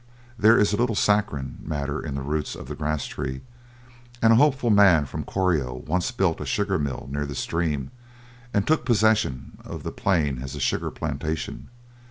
There is a little saccharine matter in the roots of the grass tree, and a hopeful man from Corio once built a sugar mill near the stream, and took possession of the plain as a sugar plantation.